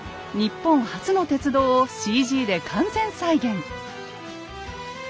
日本初の鉄道をＣＧで完全再現。